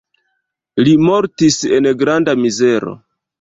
Li mortis en granda mizero.